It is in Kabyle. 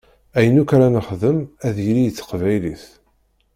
Ayen akk ara nexdem ad yili i teqbaylit.